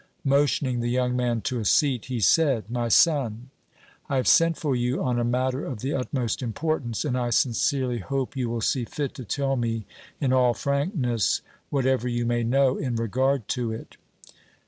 Motioning the young man to a seat, he said: "My son, I have sent for you on a matter of the utmost importance, and I sincerely hope you will see fit to tell me in all frankness whatever you may know in regard to it."